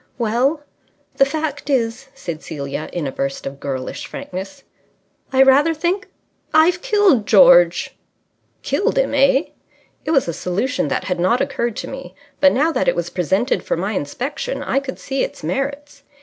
"Well, the fact is," said Celia, in a burst of girlish frankness, "I rather think I've killed George." "Killed him, eh?" It was a solution that had not occurred to me, but now that it was presented for my inspection I could see its merits.